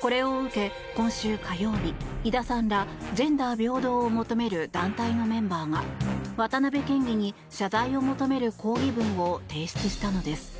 これを受け、今週火曜日井田さんらジェンダー平等を求める団体のメンバーが渡辺県議に謝罪を求める抗議文を提出したのです。